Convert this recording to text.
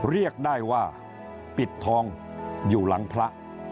เรียกได้ว่าปิดทองอยู่หลังพระ